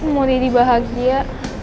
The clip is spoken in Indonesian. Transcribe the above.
mau didi bahagia